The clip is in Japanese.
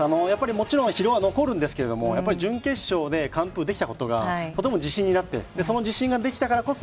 もちろん疲労は残りますが、準決勝で完封できたことがとても自信になり、自信ができたからこそ